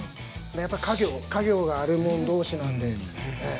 やっぱ家業があるもん同士なんでええ。